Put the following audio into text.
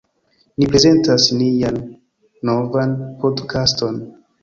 Ni prezentas nian novan podkaston.